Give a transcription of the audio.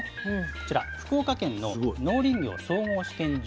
こちら福岡県の農林業総合試験場